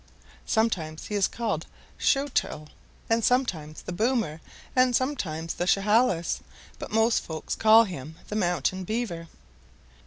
Sometimes he is called Showt'l and sometimes the Boomer, and sometimes the Chehalis, but most folks call him the Mountain Beaver."